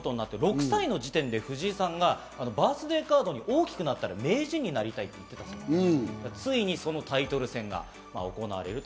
６歳の時点で藤井さんがバースデーカードに、「おおきくなったらめいじんになりたい」と言っていたそうです。